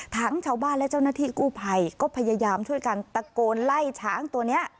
ชาวบ้านและเจ้าหน้าที่กู้ภัยก็พยายามช่วยกันตะโกนไล่ช้างตัวนี้